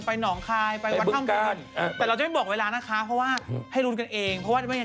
ไปก่อนค่ะสวัสดีค่ะสวัสดีค่ะแล้วนั้นใครซื้อโรตเตอรี่ขอให้ถูกรางวัลนะคะ